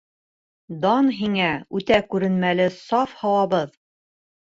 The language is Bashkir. Дан һиңә, үтә күренмәле саф һыуыбыҙ!